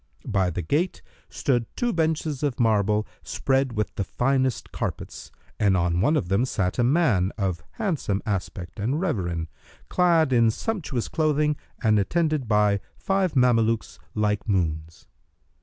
By the gate stood two benches of marble, spread with the finest carpets, and on one of them sat a man of handsome aspect and reverend, clad in sumptuous clothing and attended by five Mamelukes like moons.